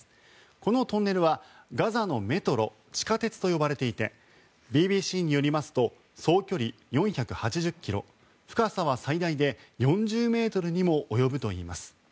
このトンネルはガザのメトロ地下鉄と呼ばれていてＢＢＣによりますと総距離４８０ｋｍ深さは最大で４０ｍにも及ぶといいます。